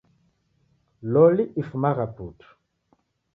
Loli ifumagha putu.